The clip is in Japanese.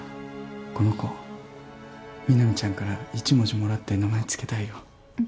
この子南ちゃんから一文字もらって名前つけたいよ。